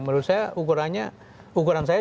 menurut saya ukurannya ukuran saya